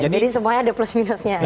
jadi semuanya ada plus minusnya